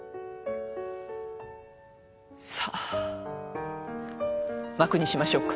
さあ幕にしましょうか。